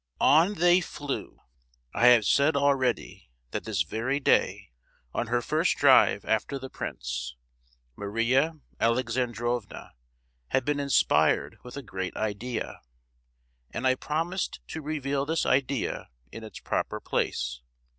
On they flew. I have said already that this very day, on her first drive after the prince, Maria Alexandrovna had been inspired with a great idea! and I promised to reveal this idea in its proper place.